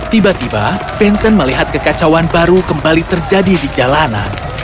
tiba tiba bensen melihat kekacauan baru kembali terjadi di jalanan